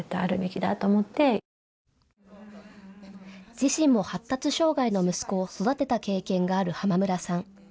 自身も発達障害の息子を育てた経験がある濱村さん。